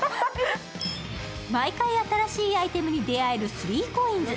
毎回新しいアイテムに出会える３ＣＯＩＮＳ。